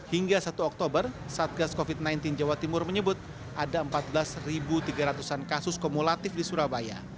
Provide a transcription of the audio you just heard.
hingga satu oktober satgas covid sembilan belas jawa timur menyebut ada empat belas tiga ratus an kasus kumulatif di surabaya